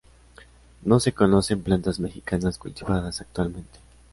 No se conocen plantas mexicanas cultivadas actualmente.